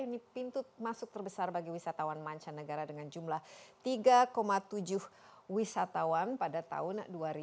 ini pintu masuk terbesar bagi wisatawan mancanegara dengan jumlah tiga tujuh wisatawan pada tahun dua ribu dua puluh